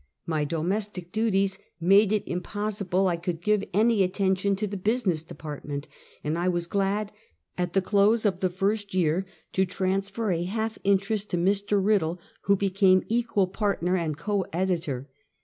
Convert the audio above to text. My domestic duties made it impossible I could give any attention to the business department, and I was glad, at the close of the first year, to transfer a half interest to Mr. Riddle, who became equal partner and co editor.